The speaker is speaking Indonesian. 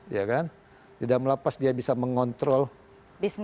ya kan di dalam lapas dia bisa mengontrol bisnis